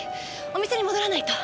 お店に戻らないと。